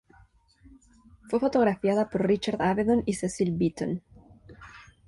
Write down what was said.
Fue fotografiada por Richard Avedon y Cecil Beaton.